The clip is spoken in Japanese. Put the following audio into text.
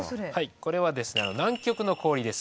これはですね南極の氷です。